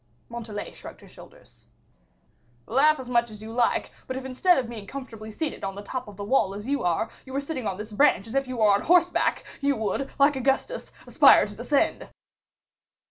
Montalais shrugged her shoulders. "Laugh as much as you like; but if, instead of being comfortably seated on the top of the wall as you are, you were sitting on this branch as if you were on horseback, you would, like Augustus, aspire to descend."